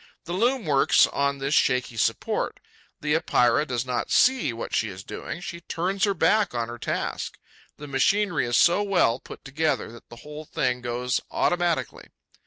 The loom works on this shaky support. The Epeira does not see what she is doing; she turns her back on her task. The machinery is so well put together that the whole thing goes automatically.